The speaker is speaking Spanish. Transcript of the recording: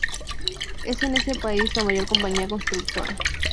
Es en ese país la mayor compañía constructora.